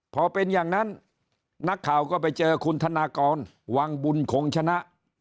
พอเป็นอย่างนั้นนักข่าวก็ไปเจอคุณธนากรวังบุญคงชนะ